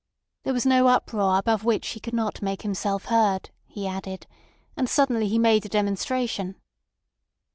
There was no uproar above which he could not make himself heard, he added; and suddenly he made a demonstration.